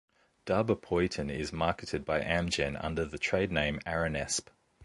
Darbepoetin is marketed by Amgen under the trade name Aranesp.